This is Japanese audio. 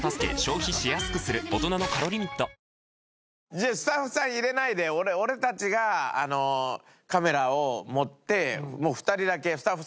じゃあスタッフさん入れないで俺たちがカメラを持ってもう２人だけスタッフさん入れないから。